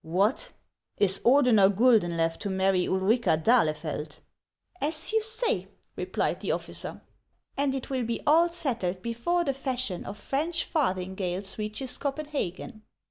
" What ! Is Ordeuer Guldenlew to marry Ulrica d'Ahlefeld ?"" As you say," replied the officer ;" and it will all be settled before the fashion of French farthingales reaches Copenhagen."